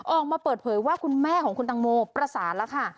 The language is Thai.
ออกมาเปิดเผยว่าคุณแม่ของคุณตังโมประสานแล้วค่ะ